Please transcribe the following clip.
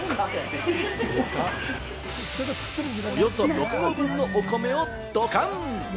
およそ６合分のお米をドカン！